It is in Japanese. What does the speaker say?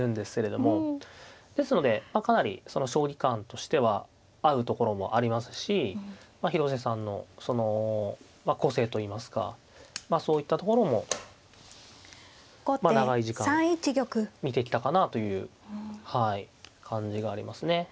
ですのでかなり将棋観としては合うところもありますし広瀬さんのその個性といいますかそういったところも長い時間見てきたかなという感じがありますね。